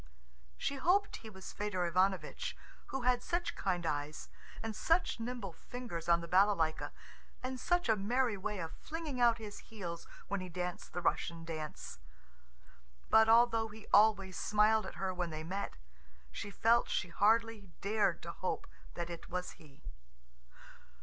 She hoped he was Fedor Ivanovitch, who had such kind eyes, and such nimble fingers on the balalaika, and such a merry way of flinging out his heels when he danced the Russian dance. But although he always smiled at her when they met, she felt she hardly dared to hope that it was he.